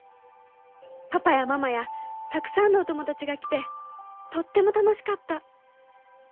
パパやママやたくさんのお友達が来てとっても楽しかった。